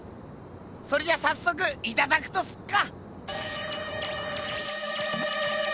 それじゃさっそくいただくとすっか。